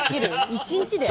一日で？